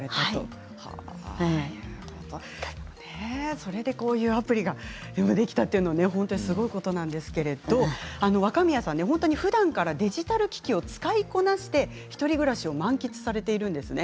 それでこういうアプリができたというのはすごいことなんですけれども、若宮さんはふだんからデジタル機器を使いこなして１人暮らしを満喫されています。